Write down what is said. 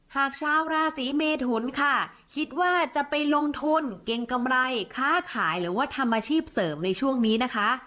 หากชาวราศีเมทุนค่ะคิดว่าจะไปลงทุนเก่งกำไรค้าขายหรือว่าทำอาชีพเสริมในช่วงนี้นะคะ